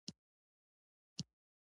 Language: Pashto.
عقل د خیال لارښوونه کوي.